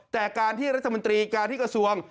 แต่การที่รัฐมนตรีการที่กระทรวง